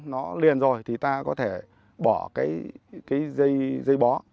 nó liền rồi thì ta có thể bỏ cái dây bó